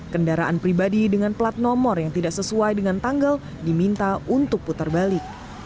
kendaraan pribadi dengan plat nomor yang tidak sesuai dengan tanggal diminta untuk putar balik